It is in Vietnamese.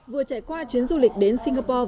vừa trải qua chuyến du lịch đến singapore